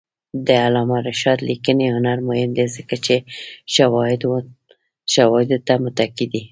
د علامه رشاد لیکنی هنر مهم دی ځکه چې شواهدو ته متکي دی.